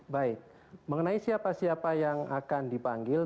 baik mengenai siapa siapa yang akan dipanggil